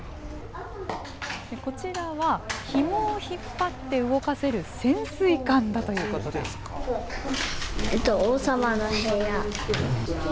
こちらはひもを引っ張って動かせる潜水艦だということです。